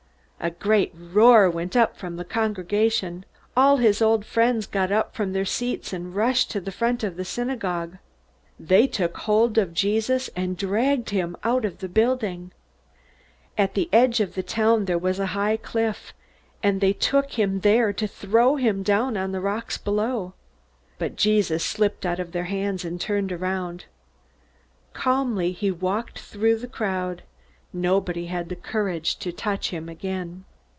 A great roar went up from the congregation. All his old friends got up from their seats and rushed to the front of the synagogue. They took hold of Jesus and dragged him out of the building. At the edge of the town there was a high cliff, and they took him there to throw him down on the rocks below. But Jesus slipped out of their hands, and turned around. Calmly he walked through the crowd. Nobody had the courage to touch him again.